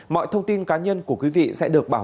mọi thông tin cá nhân của quý vị đều được truyền thông báo